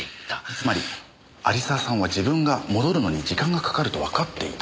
つまり有沢さんは自分が戻るのに時間がかかるとわかっていた。